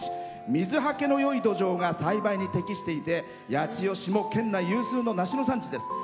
水はけのよい土壌が栽培に適していて八千代市も県内有数の梨の産地です。